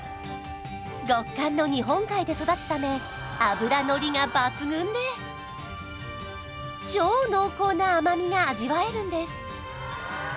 極寒の日本海で育つため脂のりが抜群で超濃厚な甘みが味わえるんです